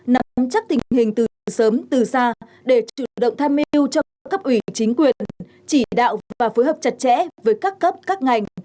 nắm chắc tình hình từ từ sớm từ xa để chủ động tham mưu cho các cấp ủy chính quyền chỉ đạo và phối hợp chặt chẽ với các cấp các ngành